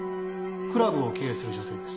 クラブを経営する女性です。